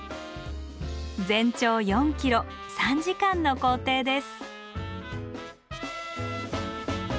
全長４ｋｍ３時間の行程です。